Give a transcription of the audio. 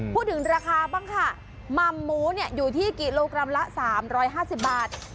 พูดถึงราคาบ้างค่ะมัมหมูเนี่ยอยู่ที่กิโลกรัมละสามร้อยห้าสิบบาท